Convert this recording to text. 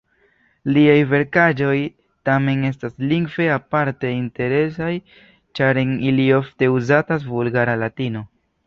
Liaj verkaĵoj tamen estas lingve aparte interesaj, ĉar en ili ofte uzatas vulgara latino.